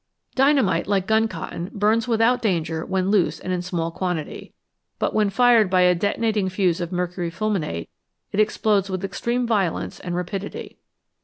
Dynamite, like gun cotton, burns without danger when loose and in small quantity, but when fired by a detona ting fuse of mercury fulminate it explodes with extreme violence and rapidity.